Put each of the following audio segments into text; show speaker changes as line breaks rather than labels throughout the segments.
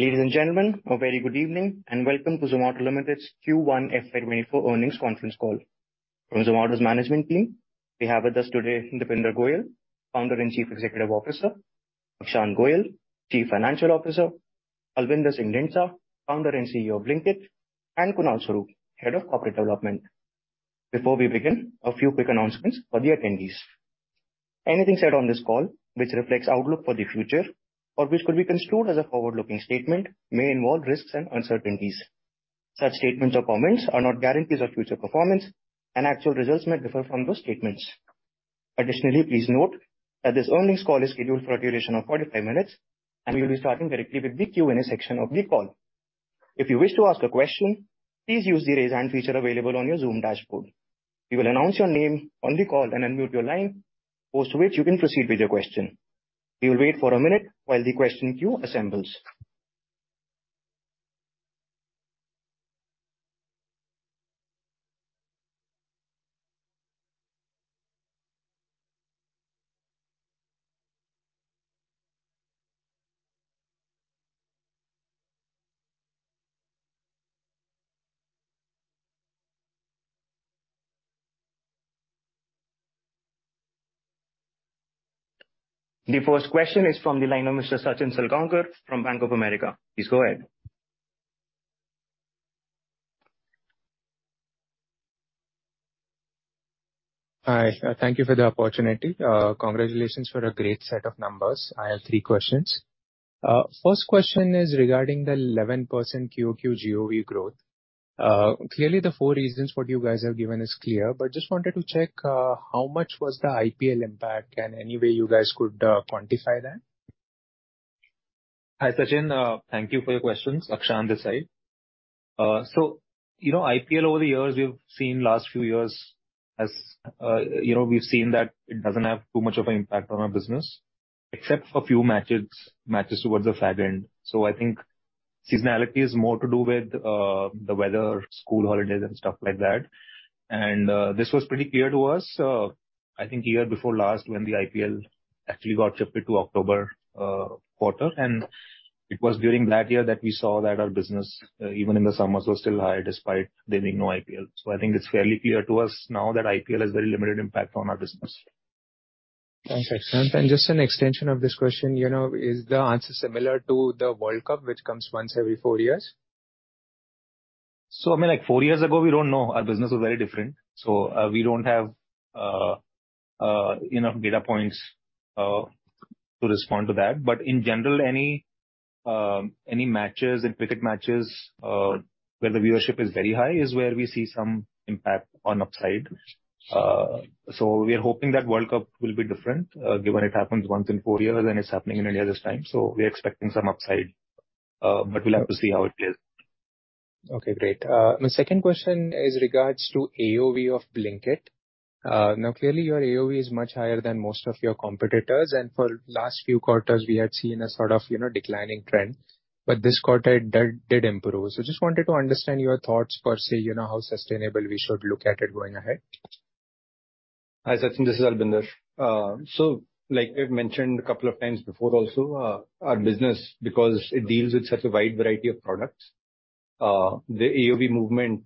Ladies and gentlemen, a very good evening, and welcome to Zomato Limited's Q1 FY24 earnings conference call. From Eternal's management team, we have with us today Deepinder Goyal, Founder and Chief Executive Officer, Akshant Goyal, Chief Financial Officer, Albinder Singh Dhindsa, Founder and CEO of Blinkit, and Kunal Swarup, Head of Corporate Development. Before we begin, a few quick announcements for the attendees. Anything said on this call which reflects outlook for the future, or which could be construed as a forward-looking statement, may involve risks and uncertainties. Such statements or comments are not guarantees of future performance, and actual results may differ from those statements. Please note that this earnings call is scheduled for a duration of 45 minutes, and we will be starting directly with the Q&A section of the call. If you wish to ask a question, please use the Raise Hand feature available on your Zoom dashboard. We will announce your name on the call and unmute your line, post which you can proceed with your question. We will wait for one minute while the question queue assembles. The first question is from the line of Mr. Sachin Salgaonkar from Bank of America. Please go ahead.
Hi, thank you for the opportunity. Congratulations for a great set of numbers. I have three questions. First question is regarding the 11% QoQ GOV growth. Clearly, the four reasons what you guys have given is clear, but just wanted to check, how much was the IPL impact, and any way you guys could quantify that?
Hi, Sachin, thank you for your questions. Akshant this side. You know, IPL over the years, we've seen last few years as, you know, we've seen that it doesn't have too much of an impact on our business, except for a few matches, matches towards the back end. I think seasonality is more to do with the weather, school holidays and stuff like that. This was pretty clear to us, I think year before last when the IPL actually got shifted to October quarter. It was during that year that we saw that our business, even in the summers, was still high, despite there being no IPL. I think it's fairly clear to us now that IPL has very limited impact on our business.
Thanks, Akshant. Just an extension of this question, you know, is the answer similar to the World Cup, which comes once every four years?
So, I mean, like four years ago, we don't know. Our business was very different, so, uh, we don't have, uh, uh, you know, data points, uh, to respond to that. But in general, any, um, any matches and cricket matches, uh, where the viewership is very high is where we see some impact on upside. Uh, so we are hoping that World Cup will be different, uh, given it happens once in four years, and it's happening in India this time, so we are expecting some upside, uh, but we'll have to see how it plays.
Okay, great. My second question is regards to AOV of Blinkit. Now, clearly, your AOV is much higher than most of your competitors, and for last few quarters, we had seen a sort of, you know, declining trend, but this quarter it did, did improve. Just wanted to understand your thoughts per se, you know, how sustainable we should look at it going ahead?
Hi, Sachin, this is Albinder. Like I've mentioned a couple of times before also, our business, because it deals with such a wide variety of products, the AOV movement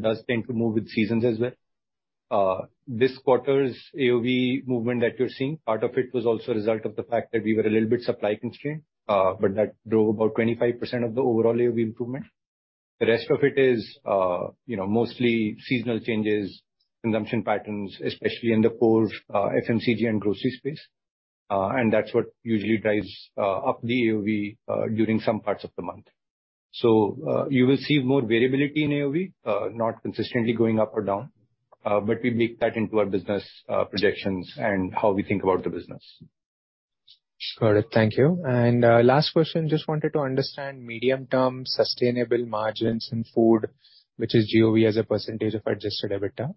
does tend to move with seasons as well. This quarter's AOV movement that you're seeing, part of it was also a result of the fact that we were a little bit supply constrained, but that drove about 25% of the overall AOV improvement. The rest of it is, you know, mostly seasonal changes, consumption patterns, especially in the cold, FMCG and grocery space. That's what usually drives up the AOV during some parts of the month. You will see more variability in AOV, not consistently going up or down, but we bake that into our business projections and how we think about the business.
Got it. Thank you. Last question, just wanted to understand medium-term sustainable margins in food, which is GOV, as a percentage of Adjusted EBITDA.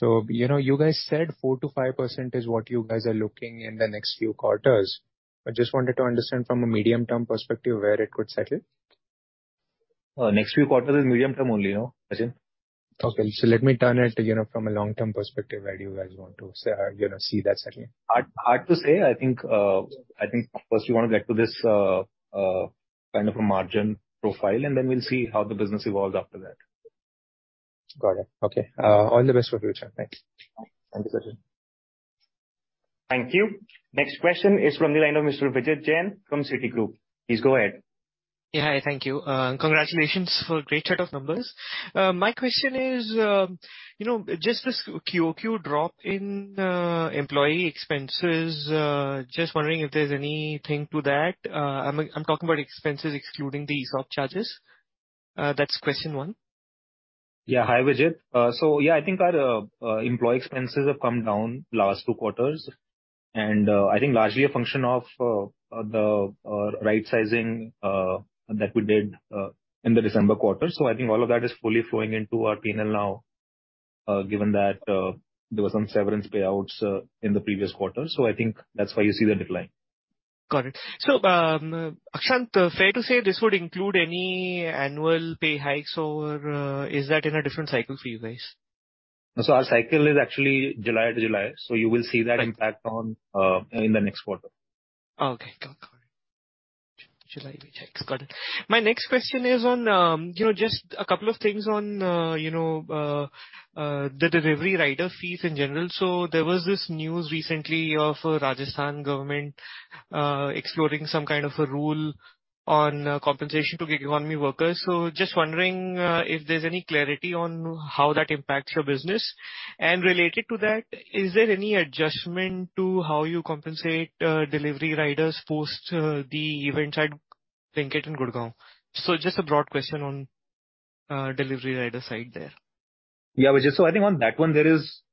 You know, you guys said 4%-5% is what you guys are looking in the next few quarters. I just wanted to understand from a medium-term perspective, where it could settle?
Next few quarters is medium term only, no, Sachin?
Okay, let me turn it, you know, from a long-term perspective, where do you guys want to say, you know, see that settling?
Hard, hard to say. I think, I think first we want to get to this, kind of a margin profile, and then we'll see how the business evolves after that.
Got it. Okay, all the best for the future. Thank you.
Thank you, Sachin.
Thank you. Next question is from the line of Mr. Vijit Jain from Citigroup. Please go ahead.
Yeah, hi. Thank you. Congratulations for a great set of numbers. My question is, you know, just this QoQ drop in employee expenses, just wondering if there's anything to that. I'm, I'm talking about expenses excluding the ESOP charges. That's question one.
Yeah. Hi, Vijit. Yeah, I think our employee expenses have come down last two quarters, and I think largely a function of the right sizing that we did in the December quarter. I think all of that is fully flowing into our P&L now, given that there were some severance payouts in the previous quarter. I think that's why you see the decline.
Got it. Akshant, fair to say this would include any annual pay hikes, or, is that in a different cycle for you guys?
Our cycle is actually July to July, so you will see that impact on, in the next quarter.
Okay, got it. July, we check. Got it. My next question is on, you know, just a couple of things on, you know, the delivery rider fees in general. There was this news recently of a Rajasthan government, exploring some kind of a rule on compensation to gig economy workers. Just wondering, if there's any clarity on how that impacts your business. Related to that, is there any adjustment to how you compensate, delivery riders post, the events at Blinkit in Gurgaon? Just a broad question on, delivery rider side there.
Yeah, Vijit, I think on that one,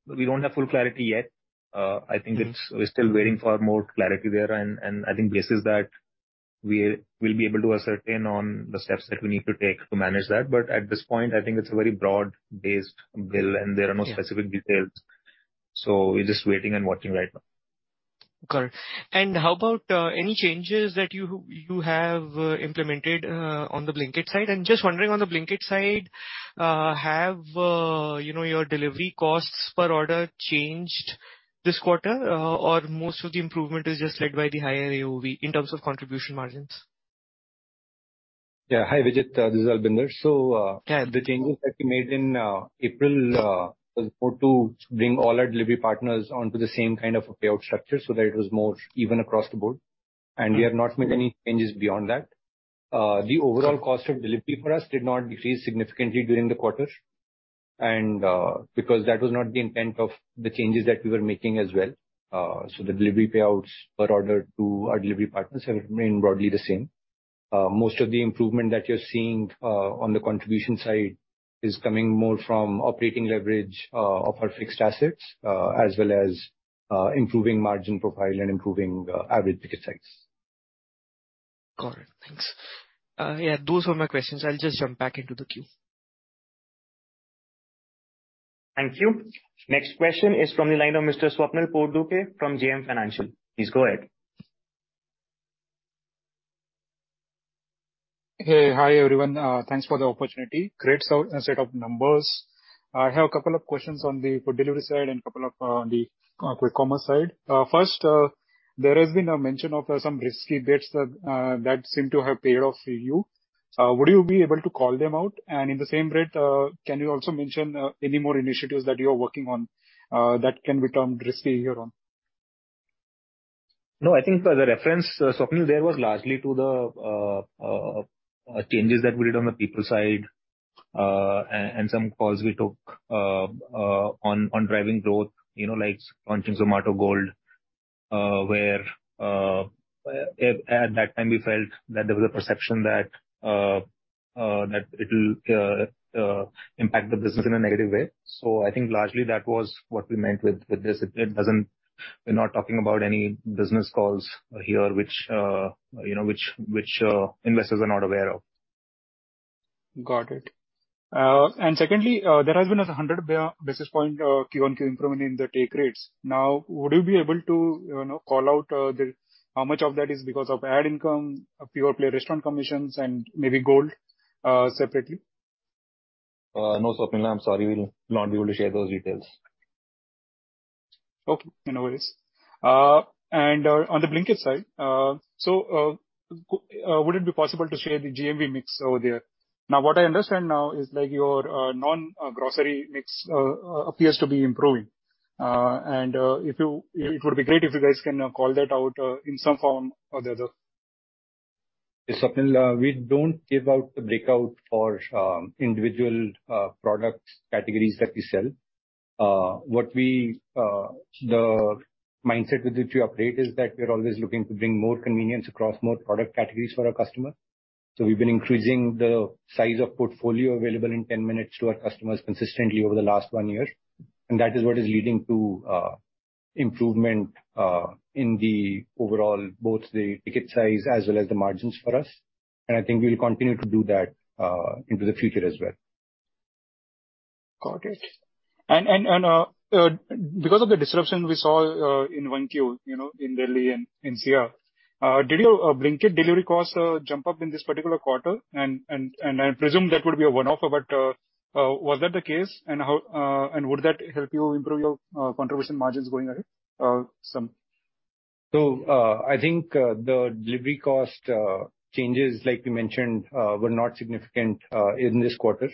We don't have full clarity yet.
Yeah.
we're still waiting for more clarity there, I think basis that, we'll, we'll be able to ascertain on the steps that we need to take to manage that. At this point, I think it's a very broad-based bill, and there are no.
Yeah
Specific details, so we're just waiting and watching right now.
Got it. How about any changes that you, you have implemented on the Blinkit side? Just wondering on the Blinkit side, have, you know, your delivery costs per order changed this quarter, or most of the improvement is just led by the higher AOV in terms of contribution margins?
Yeah. Hi, Vijit, this is Albinder.
Yeah.
The changes that we made in April was more to bring all our delivery partners onto the same kind of a payout structure so that it was more even across the board.
Yeah.
We have not made any changes beyond that. The overall-
Got it.
Cost of delivery for us did not decrease significantly during the quarter, because that was not the intent of the changes that we were making as well. The delivery payouts per order to our delivery partners have remained broadly the same. Most of the improvement that you're seeing, on the contribution side is coming more from operating leverage, of our fixed assets, as well as, improving margin profile and improving, average ticket size.
Got it. Thanks. Yeah, those were my questions. I'll just jump back into the queue.
Thank you. Next question is from the line of Mr. Swapnil Potdukhe from JM Financial. Please go ahead.
Hey. Hi, everyone. Thanks for the opportunity. Great so, set of numbers. I have a couple of questions on the food delivery side and couple of, on the, quick commerce side. First, there has been a mention of, some risky bets that, that seem to have paid off for you. Would you be able to call them out? In the same breath, can you also mention, any more initiatives that you are working on, that can become risky here on?
No, I think the reference, Swapnil, there was largely to the changes that we did on the people side, and some calls we took on driving growth, you know, like on Zomato Gold, where, at that time, we felt that there was a perception that that it'll impact the business in a negative way. I think largely that was what we meant with, with this. It, it doesn't. We're not talking about any business calls here, which, you know, which, which, investors are not aware of.
Got it. Secondly, there has been a 100 basis points QoQ improvement in the take rates. Now, would you be able to, you know, call out, the, how much of that is because of ad income, a pure play restaurant commissions, and maybe Gold, separately?
No, Swapnil, I'm sorry, we will not be able to share those details.
Okay. No worries. On the Blinkit side, so, would it be possible to share the GMV mix over there? What I understand now is, like, your non grocery mix appears to be improving. It would be great if you guys can call that out in some form or the other.
Swapnil, we don't give out the breakout for individual products categories that we sell. What we, the mindset with which we operate is that we're always looking to bring more convenience across more product categories for our customer. We've been increasing the size of portfolio available in 10 minutes to our customers consistently over the last one year, and that is what is leading to improvement in the overall, both the ticket size as well as the margins for us. I think we will continue to do that into the future as well.
Got it. And, and because of the disruption we saw in one Q, you know, in Delhi and in NCR, did your Blinkit delivery costs jump up in this particular quarter? And, and I presume that would be a one-off, but was that the case? How and would that help you improve your contribution margins going ahead, some?
I think the delivery cost changes, like we mentioned, were not significant in this quarter,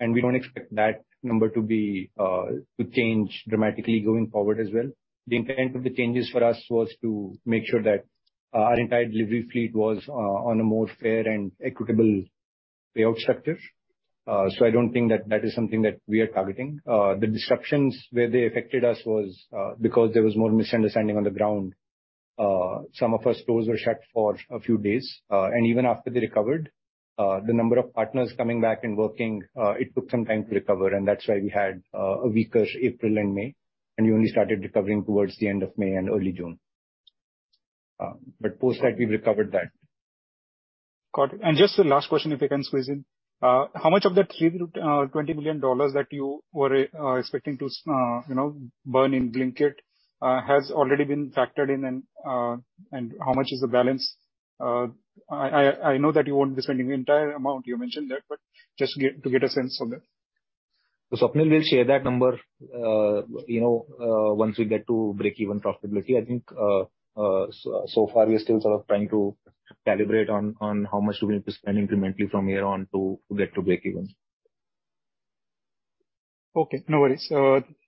and we don't expect that number to be to change dramatically going forward as well. The intent of the changes for us was to make sure that our entire delivery fleet was on a more fair and equitable payout structure. I don't think that that is something that we are targeting. The disruptions, where they affected us was because there was more misunderstanding on the ground. Some of our stores were shut for a few days, and even after they recovered, the number of partners coming back and working, it took some time to recover, and that's why we had a weaker April and May, and we only started recovering towards the end of May and early June. Post that, we've recovered that.
Got it. And just the last question, if I can squeeze in. How much of that $3 million-$20 million that you were expecting to, you know, burn in Blinkit has already been factored in, and how much is the balance? I, I, I know that you won't be spending the entire amount, you mentioned that, but just to get, to get a sense of it.
Swapnil, we'll share that number, you know, once we get to breakeven profitability. I think, so far we are still sort of trying to calibrate on how much we need to spend incrementally from here on to get to breakeven.
Okay, no worries.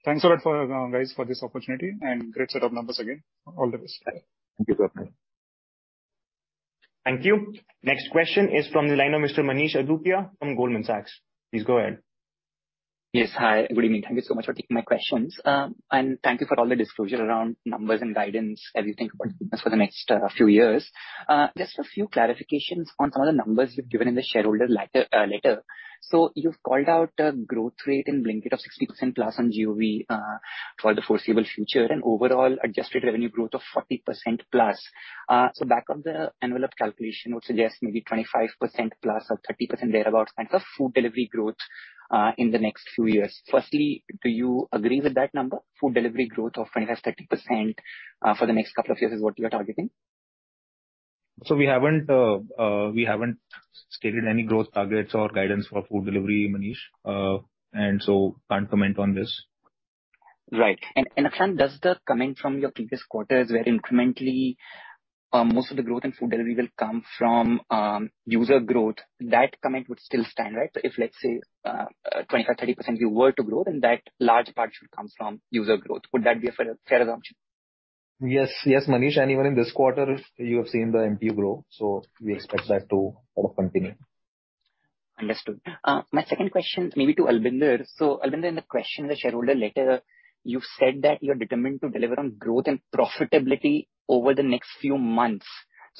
Thanks a lot for, guys, for this opportunity and great set of numbers again. All the best.
Thank you, Swapnil.
Thank you. Next question is from the line of Mr. Manish Adukia from Goldman Sachs. Please go ahead.
Yes. Hi, good evening. Thank you so much for taking my questions, and thank you for all the disclosure around numbers and guidance, everything for the next few years. Just a few clarifications on some of the numbers you've given in the shareholder letter. You've called out a growth rate in Blinkit of 60%+ on GOV for the foreseeable future, and overall adjusted revenue growth of 40%+. Back of the envelope calculation would suggest maybe 25%+ or 30% thereabout, kinds of food delivery growth in the next few years. Firstly, do you agree with that number, food delivery growth of 25%-30% for the next couple of years is what you are targeting?
We haven't, we haven't stated any growth targets or guidance for food delivery, Manish. Can't comment on this.
Right. Akshan, does the comment from your previous quarters, where incrementally, most of the growth in food delivery will come from, user growth, that comment would still stand, right? If, let's say, 25%-30% you were to grow, then that large part should come from user growth. Would that be a fair, fair assumption?
Yes, yes, Manish. Even in this quarter, you have seen the MTU grow. We expect that to sort of continue.
Understood. My second question may be to Albinder. Albinder, in the question in the shareholder letter, you've said that you're determined to deliver on growth and profitability over the next few months.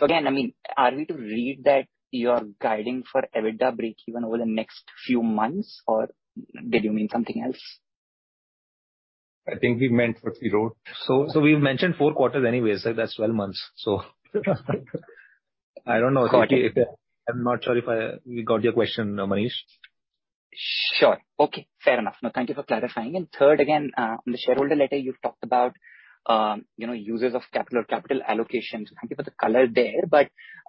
Again, I mean, are we to read that you are guiding for EBITDA breakeven over the next few months, or did you mean something else?
I think we meant what we wrote. so we've mentioned four quarters anyways, so that's 12 months. I don't know, I'm not sure if I got your question, Manish.
Sure. Okay, fair enough. No, thank you for clarifying. Third, again, in the shareholder letter, you've talked about, you know, users of capital, capital allocation. Thank you for the color there.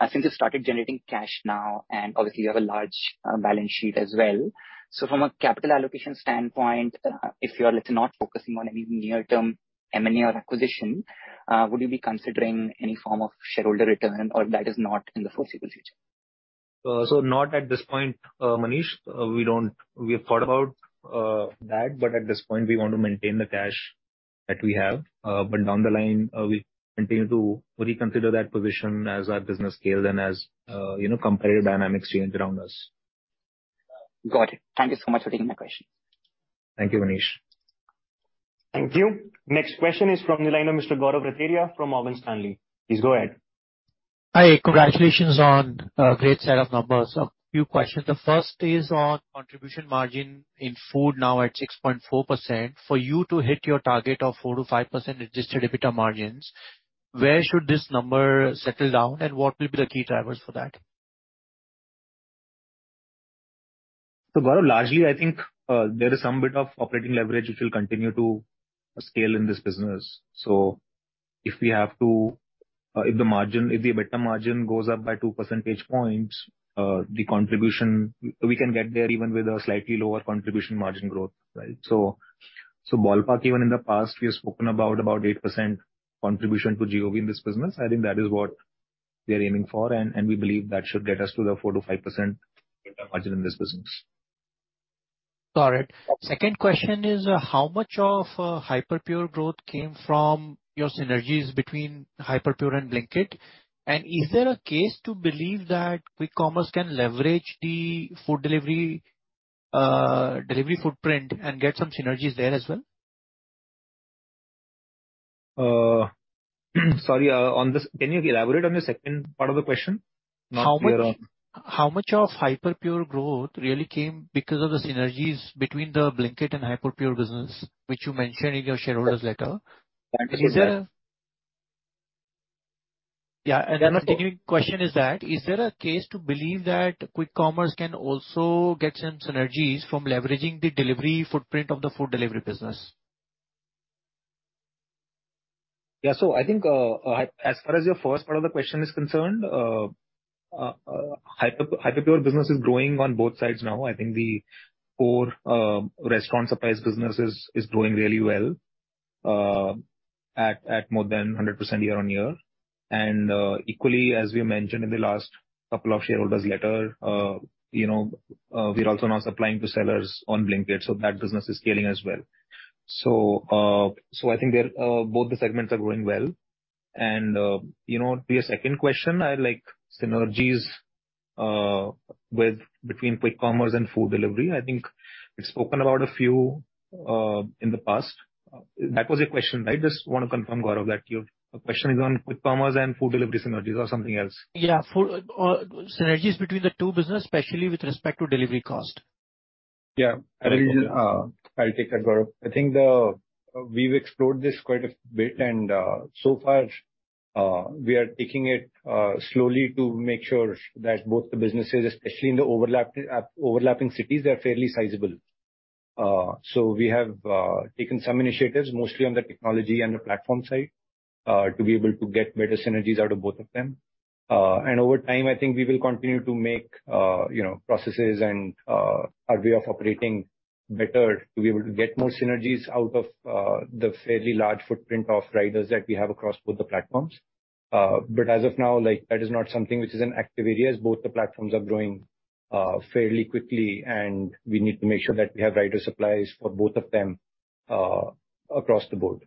Since you started generating cash now, and obviously you have a large balance sheet as well, from a capital allocation standpoint, if you are, let's not focusing on any near-term M&A or acquisition, would you be considering any form of shareholder return, or that is not in the foreseeable future?
Not at this point, Manish. We have thought about that, but at this point we want to maintain the cash that we have. Down the line, we continue to reconsider that position as our business scales and as, you know, competitive dynamics change around us.
Got it. Thank you so much for taking my questions.
Thank you, Manish.
Thank you. Next question is from the line of Mr. Gaurav Rateria from Morgan Stanley. Please go ahead.
Hi, congratulations on a great set of numbers. A few questions. The first is on contribution margin in food, now at 6.4%. For you to hit your target of 4%-5% Adjusted EBITDA margins, where should this number settle down, and what will be the key drivers for that?
Gaurav, largely, I think, there is some bit of operating leverage which will continue to scale in this business. If we have to, if the margin, if the EBITDA margin goes up by 2 percentage points, the contribution, we can get there even with a slightly lower contribution margin growth, right? Ballpark, even in the past, we have spoken about, about 8% contribution to GOV in this business. I think that is what we are aiming for, and, and we believe that should get us to the 4%-5% EBITDA margin in this business.
Got it. Second question is, how much of Hyperpure growth came from your synergies between Hyperpure and Blinkit? Is there a case to believe that quick commerce can leverage the food delivery delivery footprint and get some synergies there as well?
Sorry, on this, can you elaborate on the second part of the question? Not clear-
How much, how much of Hyperpure growth really came because of the synergies between the Blinkit and Hyperpure business, which you mentioned in your shareholders letter?
Understood.
Yeah, the continuing question is that, is there a case to believe that quick commerce can also get some synergies from leveraging the delivery footprint of the food delivery business?
As far as your first part of the question is concerned, Hyperpure business is growing on both sides now. I think the core restaurant supplies business is growing really well at more than 100% year-on-year. Equally, as we mentioned in the last couple of shareholders letter, you know, we're also now supplying to sellers on Blinkit, so that business is scaling as well. I think there both the segments are growing well. To your second question, I like synergies with between quick commerce and food delivery. I think we've spoken about a few in the past. That was your question, right? Just want to confirm, Gaurav, that your question is on quick commerce and food delivery synergies or something else?
Food synergies between the two business, especially with respect to delivery cost.
Yeah, I will, I'll take that, Gaurav. I think we've explored this quite a bit, and so far, we are taking it slowly to make sure that both the businesses, especially in the overlapping cities, they are fairly sizable. We have taken some initiatives, mostly on the technology and the platform side, to be able to get better synergies out of both of them. Over time, I think we will continue to make, you know, processes and our way of operating better to be able to get more synergies out of the fairly large footprint of riders that we have across both the platforms. As of now, like, that is not something which is an active area, as both the platforms are growing, fairly quickly, and we need to make sure that we have rider supplies for both of them, across the board.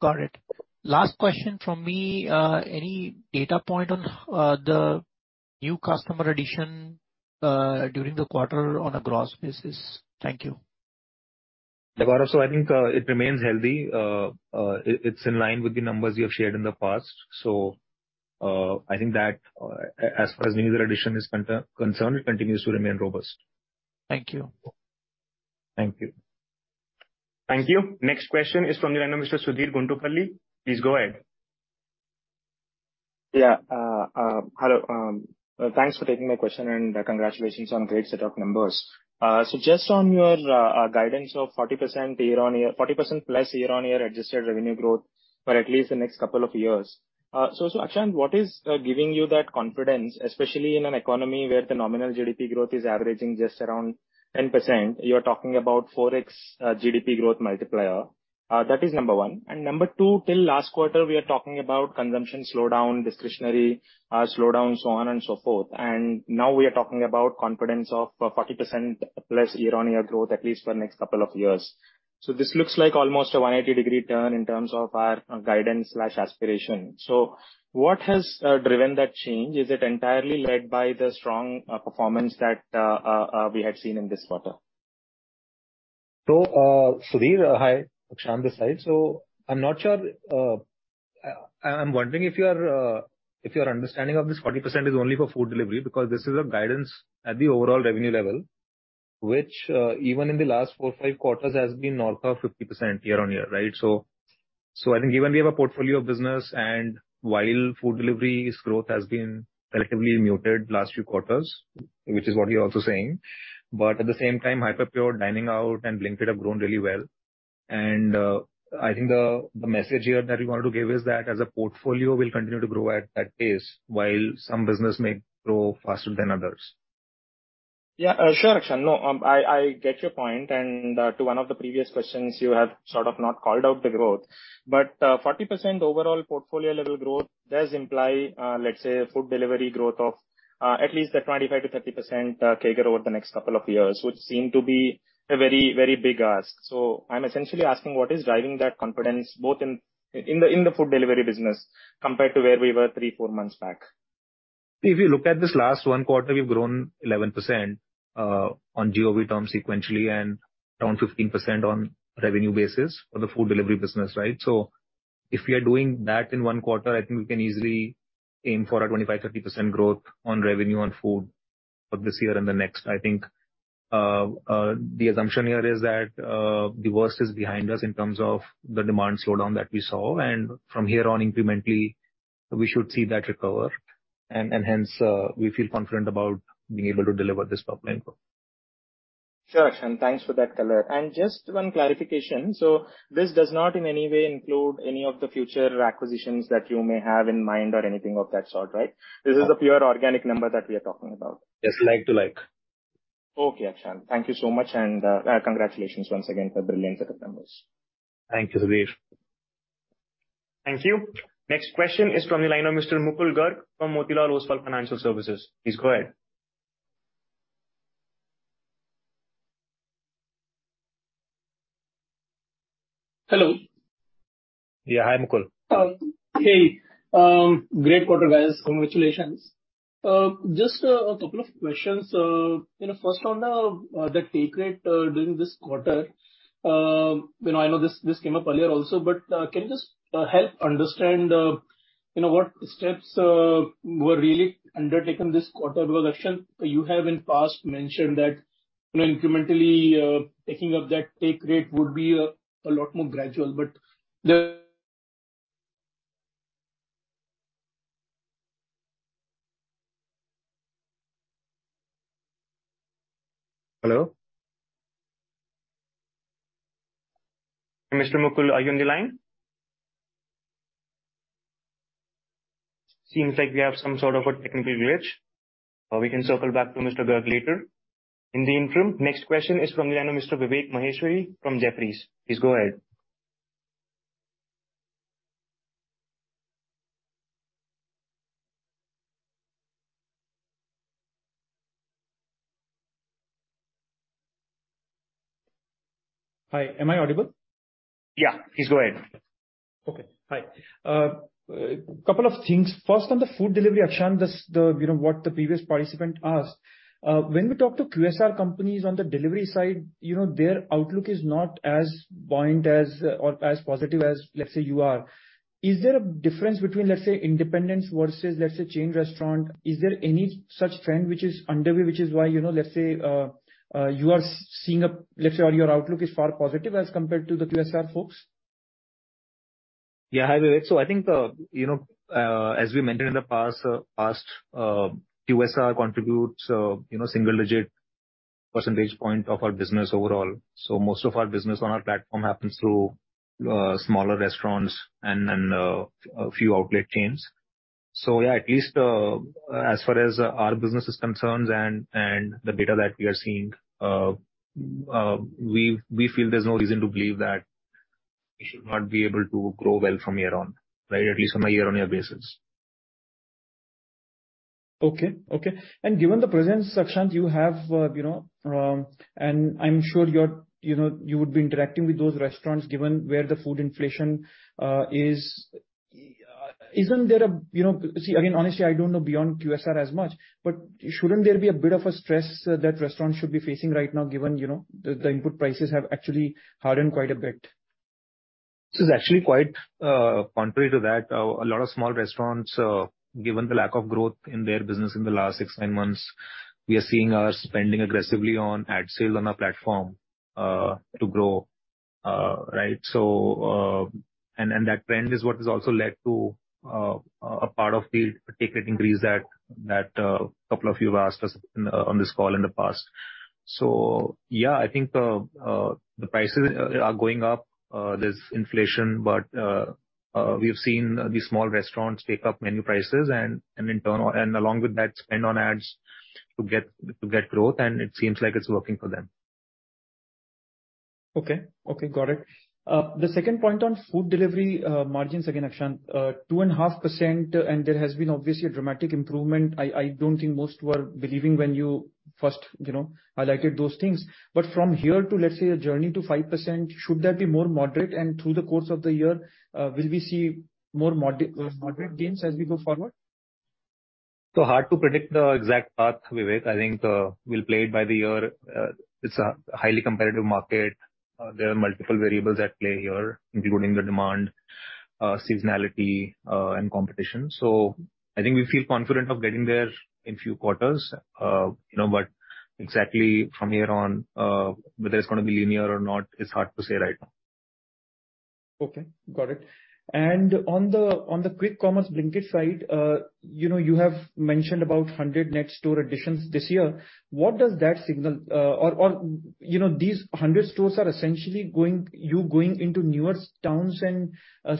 Got it. Last question from me. Any data point on the new customer addition during the quarter on a gross basis? Thank you.
I think, it remains healthy. It, it's in line with the numbers you have shared in the past. I think that, as far as new user addition is concern, concerned, it continues to remain robust.
Thank you.
Thank you.
Thank you. Next question is from the honor, Mr. Sudheer Guntupalli. Please go ahead.
Yeah, hello. Thanks for taking my question, and congratulations on a great set of numbers. So just on your guidance of 40% year-on-year, 40%+ year-on-year adjusted revenue growth for at least the next couple of years. So, so, Akshant, what is giving you that confidence, especially in an economy where the nominal GDP growth is averaging just around 10%, you're talking about 4x GDP growth multiplier? That is number one. Number two, till last quarter, we are talking about consumption slowdown, discretionary slowdown, so on and so forth, and now we are talking about confidence of 40%+ year-on-year growth, at least for the next couple of years. This looks like almost a 180-degree turn in terms of our guidance/aspiration. What has driven that change? Is it entirely led by the strong performance that we had seen in this quarter?
Sudhir, hi, Akshan this side. I'm not sure, I, I'm wondering if your, if your understanding of this 40% is only for food delivery, because this is a guidance at the overall revenue level, which, even in the last four, five quarters, has been north of 50% year-on-year, right? I think given we have a portfolio of business, and while food delivery's growth has been collectively muted last few quarters, which is what you're also saying, but at the same time, Hyperpure, dining out and Blinkit have grown really well. I think the, the message here that we wanted to give is that as a portfolio, we'll continue to grow at that pace, while some business may grow faster than others.
Yeah, sure, Akshant. No, I, I get your point, and to one of the previous questions, you have sort of not called out the growth, but 40% overall portfolio level growth does imply, let's say, food delivery growth of at least a 25%-30% CAGR over the next couple of years, which seem to be a very, very big ask. I'm essentially asking, what is driving that confidence, both in, in the, in the food delivery business, compared to where we were three, four months back?
If you look at this last one quarter, we've grown 11% on GOV terms sequentially and around 15% on revenue basis for the food delivery business, right? If we are doing that in one quarter, I think we can easily aim for a 25%-30% growth on revenue on food for this year and the next. I think the assumption here is that the worst is behind us in terms of the demand slowdown that we saw, and from here on, incrementally, we should see that recover. And hence, we feel confident about being able to deliver this top line growth.
Sure, Akshan, thanks for that color. Just one clarification: This does not in any way include any of the future acquisitions that you may have in mind or anything of that sort, right?
No.
This is a pure organic number that we are talking about.
Yes, like to like.
Okay, Akshan. Thank you so much. Congratulations once again for a brilliant set of numbers.
Thank you, Sudheer.
Thank you. Next question is from the line of Mr. Mukul Garg from Motilal Oswal Financial Services. Please go ahead.
Hello.
Yeah. Hi, Mukul.
Hey, great quarter, guys. Congratulations. Just two questions. You know, first on the take rate during this quarter. You know, I know this, this came up earlier also, but can you just help understand, you know, what steps were really undertaken this quarter? Because, Akshant, you have in past mentioned that, you know, incrementally taking up that take rate would be a lot more gradual, but the-
Hello? Mr. Mukul, are you on the line? Seems like we have some sort of a technical glitch, we can circle back to Mr. Garg later. In the interim, next question is from the honor, Mr. Vivek Maheshwari from Jefferies. Please go ahead.
Hi, am I audible?
Yeah, please go ahead.
Okay. Hi. couple of things. First, on the food delivery, Akshan, just the, you know, what the previous participant asked, when we talk to QSR companies on the delivery side, you know, their outlook is not as buoyant as, or as positive as, let's say, you are. Is there a difference between, let's say, independents versus, let's say, chain restaurant? Is there any such trend which is underway, which is why, you know, let's say, you are seeing Let's say, or your outlook is far positive as compared to the QSR folks?
Yeah, hi, Vivek. I think, you know, as we mentioned in the past, past, QSR contributes, you know, single-digit percentage point of our business overall. Most of our business on our platform happens through smaller restaurants and a few outlet chains. Yeah, at least, as far as our business is concerned and, and the data that we are seeing, we feel there's no reason to believe that we should not be able to grow well from here on, right? At least on a year-on-year basis.
Okay, okay. Given the presence, Akshant, you have, you know, and I'm sure you're, you know, you would be interacting with those restaurants, given where the food inflation is. Isn't there a... You know, see, again, honestly, I don't know beyond QSR as much, but shouldn't there be a bit of a stress that restaurants should be facing right now, given, you know, the, the input prices have actually hardened quite a bit?
This is actually quite contrary to that, a lot of small restaurants, given the lack of growth in their business in the last six, nine months, we are seeing are spending aggressively on ad sales on our platform, to grow, right? That trend is what has also led to a part of the take rate increase that, that, a couple of you have asked us in the, on this call in the past. Yeah, I think, the prices are going up. There's inflation, but we've seen these small restaurants take up menu prices and, in turn, and along with that, spend on ads to get, to get growth, and it seems like it's working for them.
Okay. Okay, got it. The second point on food delivery, margins again, Akshant, 2.5%, and there has been obviously a dramatic improvement. I, I don't think most were believing when you first, you know, highlighted those things. But from here to, let's say, a journey to 5%, should that be more moderate? Through the course of the year, will we see more moderate gains as we go forward?
Hard to predict the exact path, Vivek. I think, we'll play it by the year. It's a highly competitive market. There are multiple variables at play here, including the demand, seasonality, and competition. I think we feel confident of getting there in a few quarters. You know, but exactly from here on, whether it's gonna be linear or not, it's hard to say right now.
Okay, got it. On the, on the quick commerce Blinkit side, you know, you have mentioned about 100 net store additions this year. What does that signal? Or, or, you know, these 100 stores are essentially going, you going into newer towns and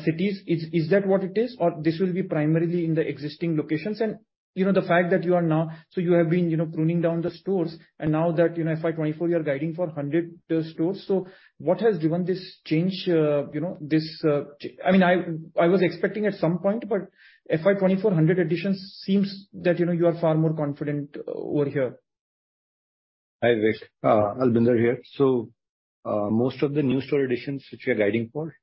cities. Is, is that what it is? Or this will be primarily in the existing locations? The fact that you are now, so you have been, you know, pruning down the stores, and now that, you know, FY 24, you are guiding for 100 stores. So what has driven this change, you know, this... I mean, I, I was expecting at some point, but FY 24, 100 additions, seems that, you know, you are far more confident over here.
Hi, Vivek, Albinder here. Most of the new store additions, which we are guiding for,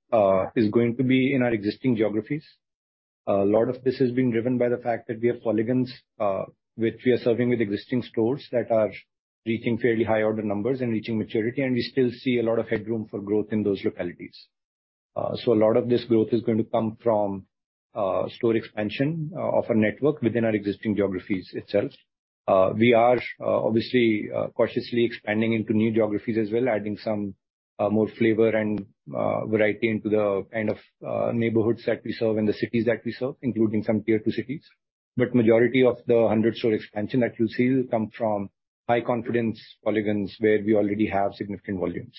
is going to be in our existing geographies. A lot of this is being driven by the fact that we have polygons, which we are serving with existing stores that are reaching fairly high order numbers and reaching maturity, and we still see a lot of headroom for growth in those localities. A lot of this growth is going to come from store expansion of our network within our existing geographies itself. We are obviously cautiously expanding into new geographies as well, adding some more flavor and variety into the kind of neighborhoods that we serve and the cities that we serve, including some Tier two cities. majority of the 100 store expansion that you'll see will come from high confidence polygons, where we already have significant volumes.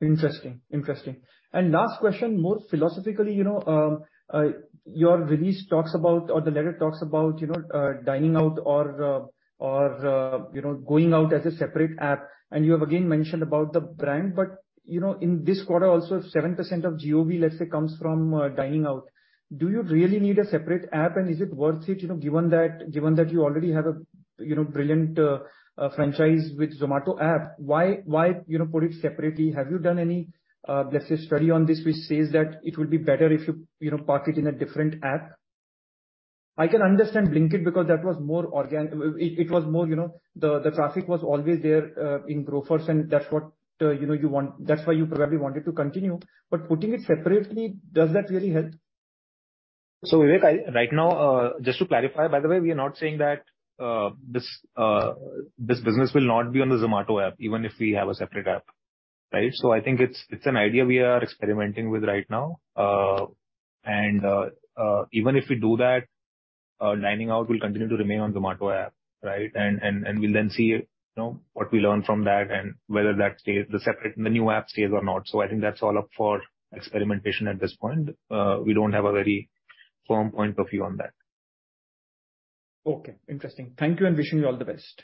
Interesting, interesting. Last question, more philosophically, you know, your release talks about or the letter talks about, you know, dining out or, or, you know, going out as a separate app, and you have again mentioned about the brand. You know, in this quarter, also 7% of GOV, let's say, comes from, dining out. Do you really need a separate app, and is it worth it, you know, given that, given that you already have a, you know, brilliant, franchise with Zomato app? Why, why, you know, put it separately? Have you done any, let's say, study on this, which says that it would be better if you, you know, park it in a different app? I can understand Blinkit, because that was more organ. It, it was more, you know, the, the traffic was always there, in Grofers, and that's what, you know, you want- that's why you probably wanted to continue. Putting it separately, does that really help?
Vivek, I, right now, just to clarify, by the way, we are not saying that this business will not be on the Zomato app, even if we have a separate app, right? I think it's, it's an idea we are experimenting with right now. Even if we do that, dining out will continue to remain on Zomato app, right? We'll then see, you know, what we learn from that and whether that stays, the separate, the new app stays or not. I think that's all up for experimentation at this point. We don't have a very firm point of view on that.
Okay, interesting. Thank you, and wishing you all the best.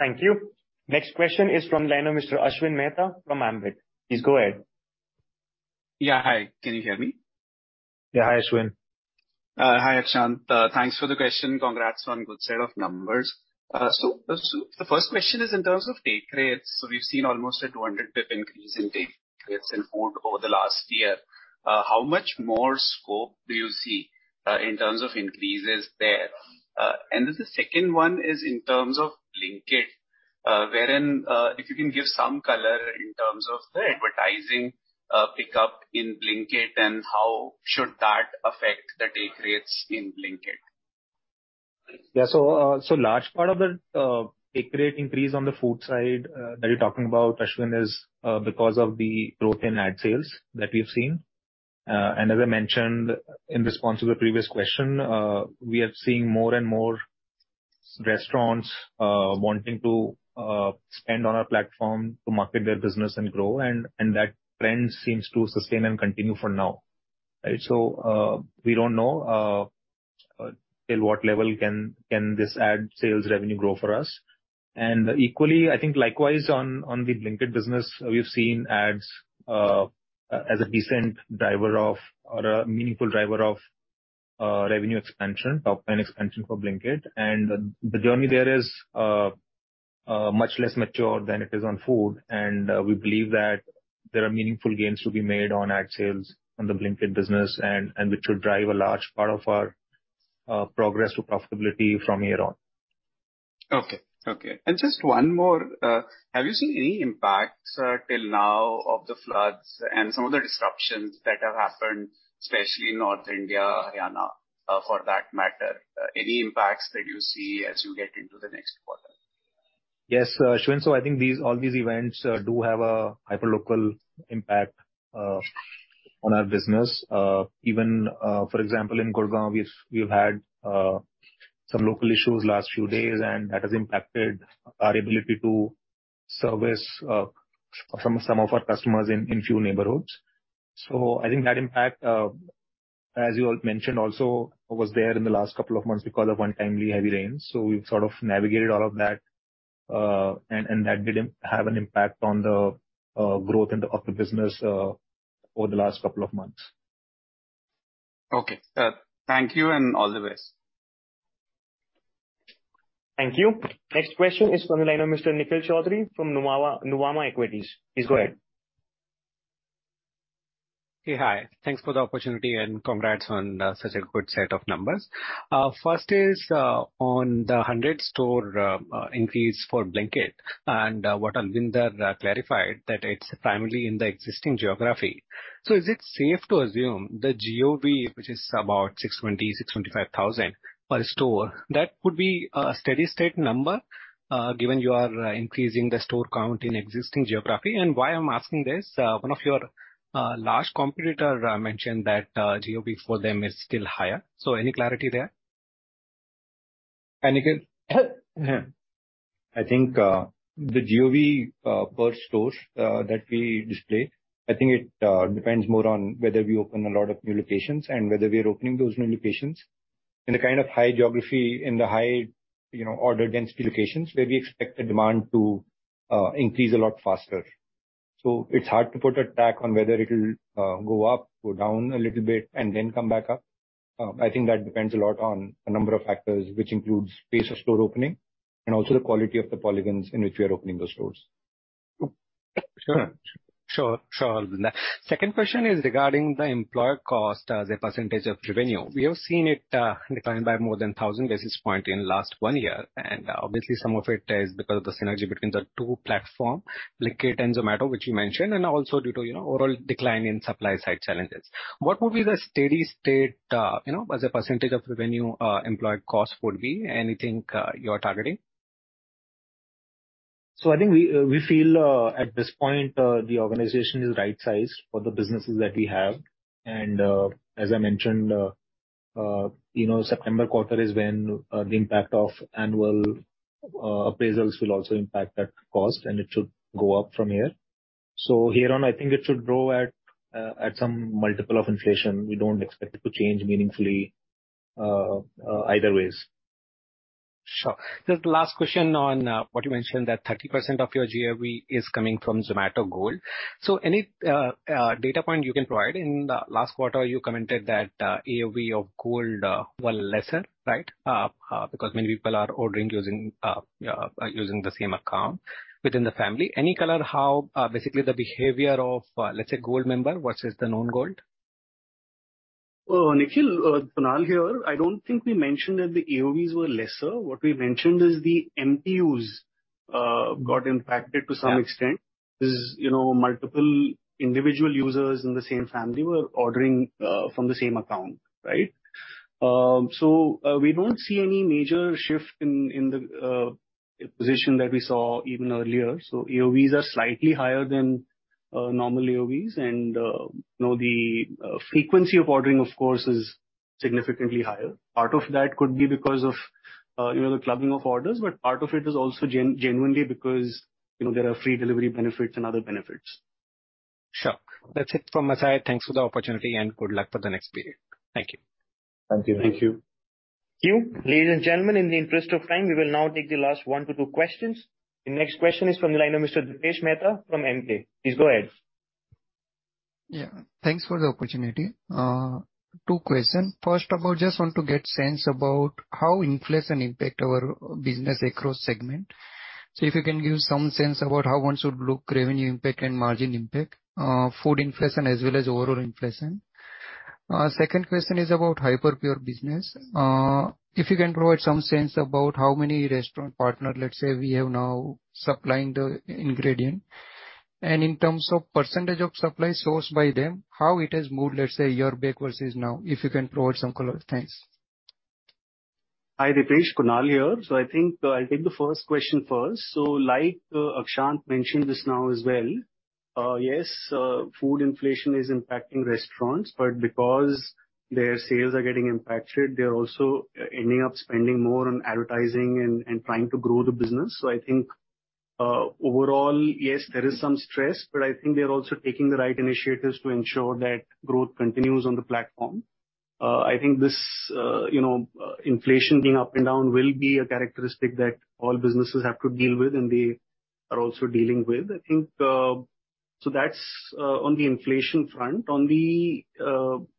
Thank you. Next question is from Mr. Ashwin Mehta from Ambit. Please go ahead.
Yeah, hi. Can you hear me?
Yeah. Hi, Ashwin.
Hi, Akshant. Thanks for the question. Congrats on good set of numbers. The first question is in terms of take rates. We've seen almost a 200 pip increase in take rates in food over the last year. How much more scope do you see, in terms of increases there? The second one is in terms of Blinkit, wherein, if you can give some color in terms of the advertising, pickup in Blinkit, and how should that affect the take rates in Blinkit?
Yeah, so large part of the take rate increase on the food side that you're talking about, Ashwin, is because of the growth in ad sales that we've seen. As I mentioned in response to the previous question, we are seeing more and more restaurants wanting to spend on our platform to market their business and grow, and that trend seems to sustain and continue for now. Right? We don't know till what level can this ad sales revenue grow for us. Equally, I think likewise on the Blinkit business, we've seen ads as a decent driver of or a meaningful driver of revenue expansion, top-line expansion for Blinkit. The journey there is much less mature than it is on food, and we believe that there are meaningful gains to be made on ad sales on the Blinkit business and, and which will drive a large part of our progress to profitability from here on.
Okay. Okay, just one more: have you seen any impacts till now of the floods and some of the disruptions that have happened, especially in North India, Haryana, for that matter? Any impacts that you see as you get into the next quarter?
Yes, Ashwin. I think these, all these events, do have a hyperlocal impact, on our business. Even, for example, in Gurgaon, we've, we've had, some local issues last few days, and that has impacted our ability to service, some, some of our customers in, in a few neighborhoods. I think that impact, as you all mentioned also, was there in the last couple of months because of untimely heavy rains. We've sort of navigated all of that, and, and that didn't have an impact on the, growth of the business, over the last couple of months.
Okay. Thank you and all the best.
Thank you. Next question is from the line of Mr. Nikhil Chaudhary from Nuvama, Nuvama Equities. Please go ahead.
Okay, hi. Thanks for the opportunity, and congrats on such a good set of numbers. First is on the 100 store increase for Blinkit and what Albinder clarified, that it's primarily in the existing geography. Is it safe to assume the GOV, which is about 620,000-625,000 per store, that would be a steady state number, given you are increasing the store count in existing geography? Why I'm asking this, one of your large competitor mentioned that GOV for them is still higher. Any clarity there?
Hi, Nikhil. I think the GOV per store that we display, I think it depends more on whether we open a lot of new locations and whether we are opening those new locations. In the kind of high geography, in the high, you know, order density locations, where we expect the demand to increase a lot faster. So it's hard to put a tack on whether it'll go up, go down a little bit, and then come back up. I think that depends a lot on a number of factors, which includes pace of store opening and also the quality of the polygons in which we are opening those stores.
Sure. Sure, sure. Second question is regarding the employee cost as a percentage of revenue. We have seen it decline by more than 1,000 basis point in last one year, and obviously some of it is because of the synergy between the two platform, Blinkit and Zomato, which you mentioned, and also due to, you know, overall decline in supply side challenges. What would be the steady state, you know, as a percentage of revenue, employee cost would be? Anything, you're targeting?
I think we, we feel, at this point, the organization is right-sized for the businesses that we have. As I mentioned, you know, September quarter is when the impact of annual appraisals will also impact that cost, and it should go up from here. Here on, I think it should grow at some multiple of inflation. We don't expect it to change meaningfully, either ways.
Sure. Just last question on what you mentioned, that 30% of your GOV is coming from Zomato Gold. Any data point you can provide? In the last quarter, you commented that AOV of Gold were lesser, right? Because many people are ordering using the same account within the family. Any color how basically the behavior of let's say, Gold member versus the non-Gold?
Nikhil, Kunal here. I don't think we mentioned that the AOVs were lesser. What we mentioned is the MTOs got impacted to some extent.
Yeah.
This is, you know, multiple individual users in the same family were ordering, from the same account, right? We don't see any major shift in, in the position that we saw even earlier. AOVs are slightly higher than normal AOVs, and, you know, the frequency of ordering, of course, is significantly higher. Part of that could be because of, you know, the clubbing of orders, but part of it is also genuinely because, you know, there are free delivery benefits and other benefits.
Sure. That's it from my side. Thanks for the opportunity, good luck for the next period. Thank you.
Thank you.
Thank you.
Thank you. Ladies and gentlemen, in the interest of time, we will now take the last one totwo questions. The next question is from the line of Mr. Dipesh Mehta from Emkay. Please go ahead.
Yeah, thanks for the opportunity. two question. First of all, just want to get sense about how inflation impact our business across segment. If you can give some sense about how one should look revenue impact and margin impact, food inflation as well as overall inflation. Second question is about Hyperpure business. If you can provide some sense about how many restaurant partners, let's say, we have now supplying the ingredient. In terms of % of supply sourced by them, how it has moved, let's say, year back versus now, if you can provide some color? Thanks.
Hi, Dipesh, Kunal here. I think, I'll take the first question first. Like, Akshant mentioned this now as well, yes, food inflation is impacting restaurants, but because their sales are getting impacted, they're also ending up spending more on advertising and trying to grow the business. I think, overall, yes, there is some stress, but I think they are also taking the right initiatives to ensure that growth continues on the platform. I think this, you know, inflation being up and down will be a characteristic that all businesses have to deal with, and they are also dealing with. I think, that's on the inflation front.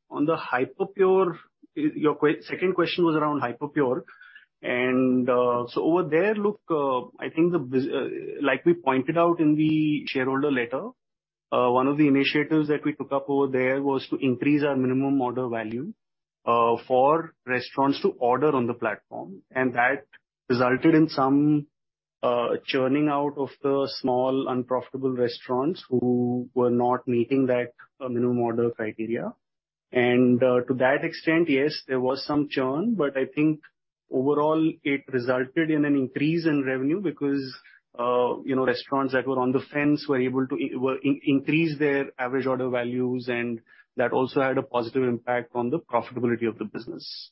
On the on the Hyperpure, your second question was around Hyperpure. So over there, look, I think the bus- like we pointed out in the shareholder letter, one of the initiatives that we took up over there was to increase our minimum order value for restaurants to order on the platform. That resulted in some churning out of the small, unprofitable restaurants who were not meeting that minimum order criteria. To that extent, yes, there was some churn, but I think overall it resulted in an increase in revenue because, you know, restaurants that were on the fence were able to increase their average order values, and that also had a positive impact on the profitability of the business.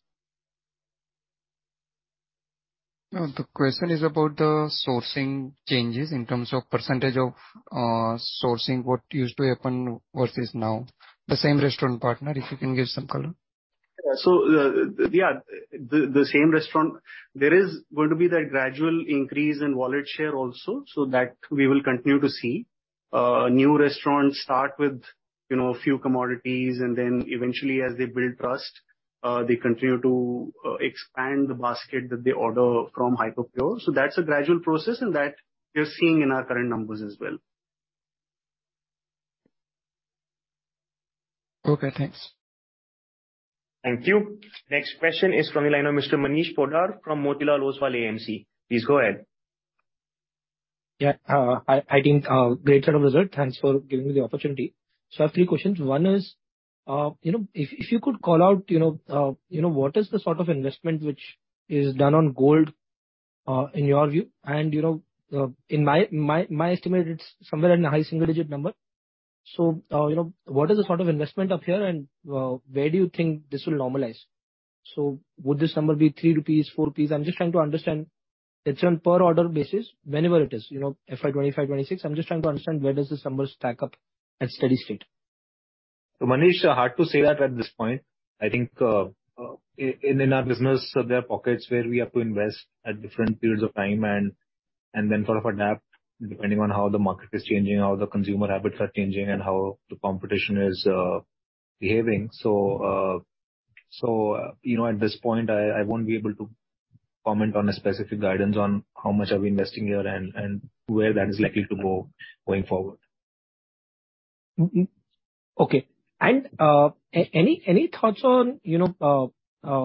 The question is about the sourcing changes in terms of percentage of sourcing, what used to happen versus now. The same restaurant partner, if you can give some color.
Yeah, the same restaurant, there is going to be that gradual increase in wallet share also, so that we will continue to see. New restaurants start with, you know, a few commodities, and then eventually as they build trust, they continue to expand the basket that they order from Hyperpure. That's a gradual process, and that we're seeing in our current numbers as well.
Okay, thanks.
Thank you. Next question is from the line of Mr. Manish Poddar from Motilal Oswal AMC. Please go ahead.
Yeah, hi, hi, team, great set of results. Thanks for giving me the opportunity. I have three questions. One is, you know, if, if you could call out, you know, you know, what is the sort of investment which is done on Gold, in your view? You know, in my, my, my estimate, it's somewhere in the high single-digit number. You know, what is the sort of investment up here, and, where do you think this will normalize? Would this number be 3 rupees, 4 rupees? I'm just trying to understand. It's on per order basis, whenever it is, you know, FY 2025, 2026. I'm just trying to understand where does this number stack up at steady state.
Manish, hard to say that at this point. I think, in, in our business, there are pockets where we have to invest at different periods of time and, and then sort of adapt, depending on how the market is changing, how the consumer habits are changing, and how the competition is behaving. You know, at this point, I, I won't be able to comment on a specific guidance on how much are we investing here and, and where that is likely to go going forward.
Mm-hmm. Okay. Any, any thoughts on, you know,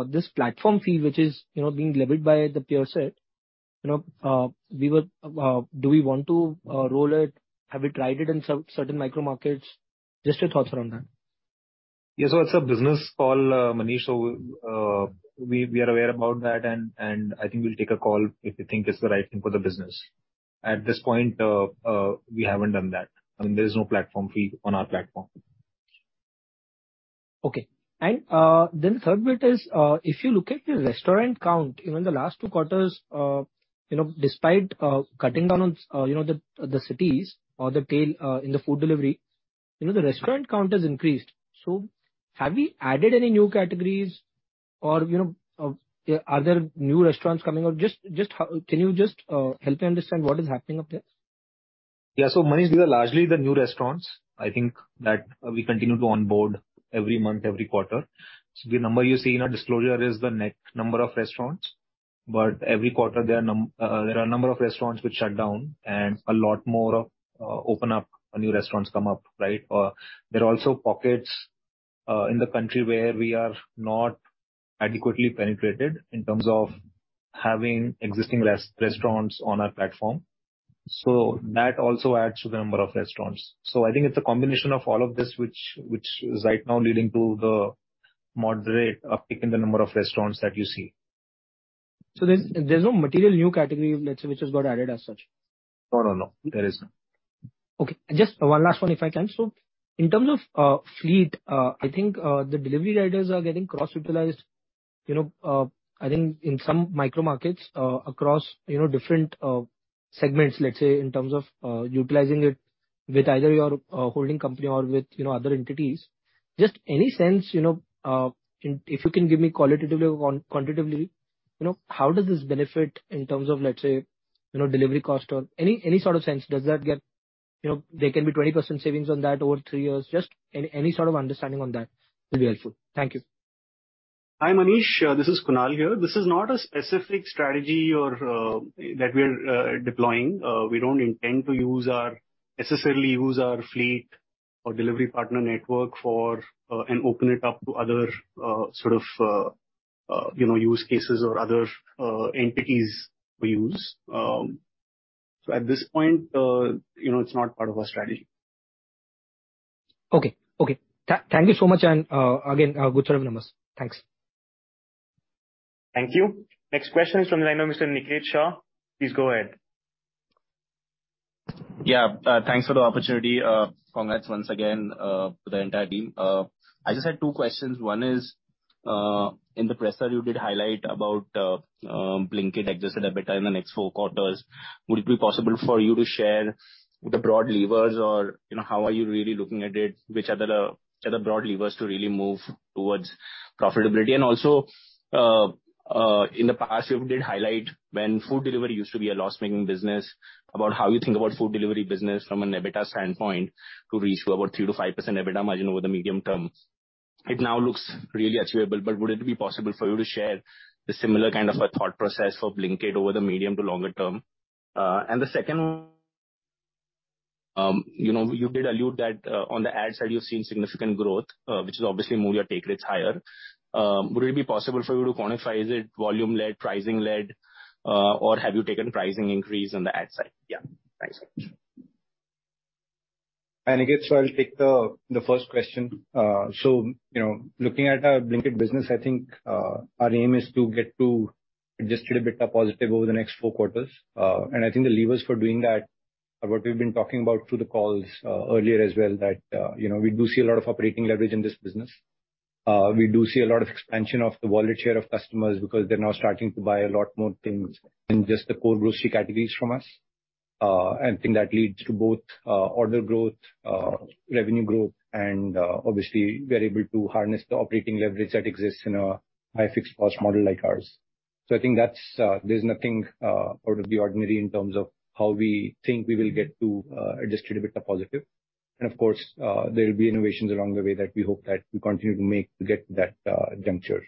this platform fee, which is, you know, being leveled by the peer set? You know, we were. Do we want to roll it? Have we tried it in certain micro markets? Just your thoughts around that.
Yes, it's a business call, Manish. We are aware about that. I think we'll take a call if we think it's the right thing for the business. At this point, we haven't done that, and there's no platform fee on our platform.
Okay. Then the third bit is, if you look at the restaurant count, even the last two quarters, you know, despite, cutting down on, you know, the, the cities or the tail, in the food delivery, you know, the restaurant count has increased. Have we added any new categories or, you know, are there new restaurants coming up? Can you just help me understand what is happening up there?
Manish, these are largely the new restaurants, I think, that we continue to onboard every month, every quarter. The number you see in our disclosure is the net number of restaurants, but every quarter there are a number of restaurants which shut down and a lot more open up, and new restaurants come up, right? There are also pockets in the country where we are not adequately penetrated in terms of having existing restaurants on our platform. That also adds to the number of restaurants. I think it's a combination of all of this, which, which is right now leading to the moderate uptick in the number of restaurants that you see.
There's, there's no material new category, let's say, which has got added as such?
No, no, no, there is none.
Okay, just one last one, if I can. So in terms of fleet, I think, the delivery riders are getting cross-utilized, you know. I think in some micro markets, across, you know, different segments, let's say, in terms of utilizing it with either your holding company or with, you know, other entities. Just any sense, you know, if you can give me qualitatively or quantitatively, you know, how does this benefit in terms of, let's say, you know, delivery cost or any, any sort of sense, does that get. You know, there can be 20% savings on that over three years. Just any, any sort of understanding on that will be helpful. Thank you.
Hi, Manish, this is Kunal here. This is not a specific strategy or that we're deploying. We don't intend to necessarily use our fleet or delivery partner network for, and open it up to other, sort of,
-You know, use cases or other, entities we use. At this point, you know, it's not part of our strategy.
Okay. Okay. Thank you so much, and again, good set of numbers. Thanks.
Thank you. Next question is from the line of Mr. Niket Shah. Please go ahead.
Yeah, thanks for the opportunity. Congrats once again, to the entire team. I just had 2 questions. One is, in the press round you did highlight about Blinkit Adjusted EBITDA in the next four quarters. Would it be possible for you to share the broad levers or, you know, how are you really looking at it? Which are the, are the broad levers to really move towards profitability? Also, in the past, you did highlight when food delivery used to be a loss-making business, about how you think about food delivery business from an EBITDA standpoint, to reach to about 3%-5% EBITDA margin over the medium term. It now looks really achievable, but would it be possible for you to share the similar kind of a thought process for Blinkit over the medium to longer term? The second one, you know, you did allude that, on the ad side, you've seen significant growth, which has obviously moved your take rates higher. Would it be possible for you to quantify, is it volume-led, pricing-led, or have you taken pricing increase on the ad side? Yeah. Thanks.
Niket, so I'll take the, the first question. So you know, looking at our Blinkit business, I think, our aim is to get to Adjusted EBITDA positive over the next four quarters. And I think the levers for doing that are what we've been talking about through the calls, earlier as well, that, you know, we do see a lot of operating leverage in this business. We do see a lot of expansion of the wallet share of customers, because they're now starting to buy a lot more things than just the core grocery categories from us. I think that leads to both, order growth, revenue growth, and, obviously, we're able to harness the operating leverage that exists in a high fixed cost model like ours. I think that's there's nothing out of the ordinary in terms of how we think we will get to Adjusted EBITDA positive. Of course, there will be innovations along the way that we hope that we continue to make to get to that juncture.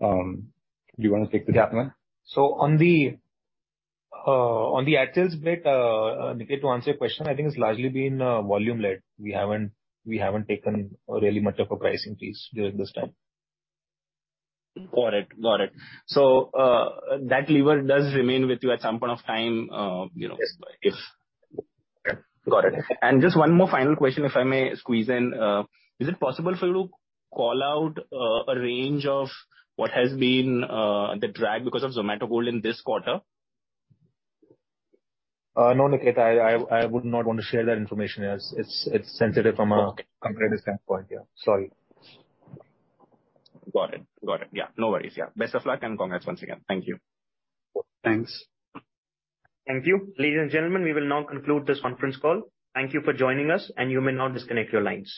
Do you want to take the second one?
Yeah. On the ad sales bit, Niket, to answer your question, I think it's largely been volume-led. We haven't, we haven't taken really much of a pricing piece during this time.
Got it. Got it. That lever does remain with you at some point of time, you know, if-
Yes.
Got it. Just one more final question, if I may squeeze in. Is it possible for you to call out a range of what has been the drag because of Zomato Gold in this quarter?
No, Niket, I would not want to share that information as it's, it's sensitive from a competitor standpoint. Yeah. Sorry.
Got it. Got it. Yeah, no worries. Yeah. Best of luck, and congrats once again. Thank you.
Thanks.
Thank you. Ladies and gentlemen, we will now conclude this conference call. Thank you for joining us, and you may now disconnect your lines.